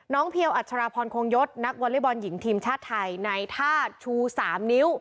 น้องนักวอลลิบอลหญิงทีมชาติไทยในท่าชูสามนิ้ว